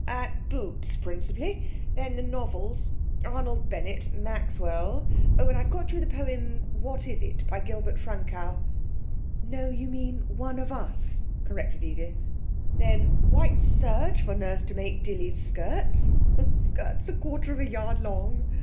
'At Boots', principally. Then the novels Arnold Bennett, Maxwell Oh, and I've got you the poem: 'What is it?' by Gilbert Frankau.' 'No, you mean, 'One of us',' corrected Edith. 'Then white serge for nurse to make Dilly's skirts skirts a quarter of a yard long!